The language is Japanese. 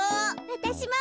わたしも。